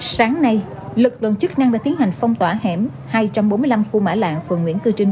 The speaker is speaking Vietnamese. sáng nay lực lượng chức năng đã tiến hành phong tỏa hẻm hai trăm bốn mươi năm khu mã lạng phường nguyễn cư trinh